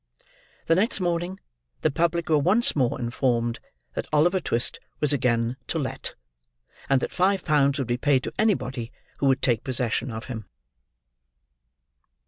The next morning, the public were once informed that Oliver Twist was again To Let, and that five pounds would be paid to anybody who would take possession of him.